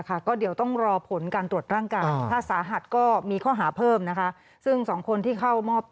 เคยเป็นเพื่อนกัน